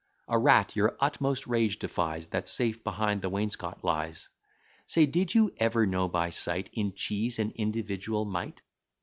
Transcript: A rat your utmost rage defies, That safe behind the wainscot lies. Say, did you ever know by sight In cheese an individual mite!